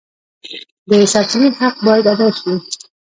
د سرچینې حق باید ادا شي.